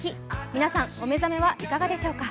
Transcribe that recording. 皆さん、お目覚めはいかがでしょうか。